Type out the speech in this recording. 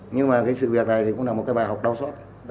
nhưng mà cái sự việc này thì cũng là một cái bài học đau sót